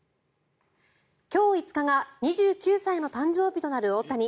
今日５日が２９歳の誕生日となる大谷。